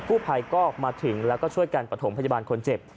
ผู้ภัยก็มาถึงแล้วก็ช่วยกันประถมพยาบาลคนเจ็บ